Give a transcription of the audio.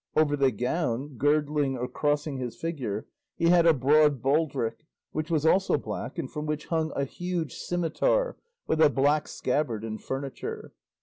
Over the gown, girdling or crossing his figure, he had a broad baldric which was also black, and from which hung a huge scimitar with a black scabbard and furniture.